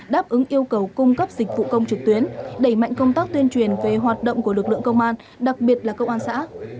đáp ứng yêu cầu cung cấp dịch vụ công trực tuyến đẩy mạnh công tác tuyên truyền về hoạt động của lực lượng công an đặc biệt là công an xã